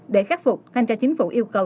để khắc phục thanh tra chính phủ yêu cầu